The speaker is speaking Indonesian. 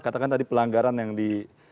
katakan tadi pelanggaran yang di